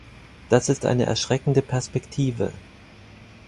Das ist eine erschreckende Perspektive.